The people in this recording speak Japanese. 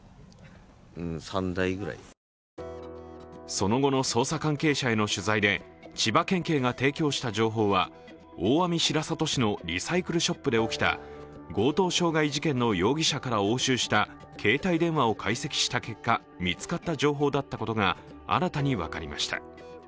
その後の捜査関係者への取材で千葉県警が提供した情報は大網白里市のリサイクルショップで起きた強盗傷害事件の容疑者から押収した携帯電話を解析した結果見つかった情報だったことが新たに分かりました。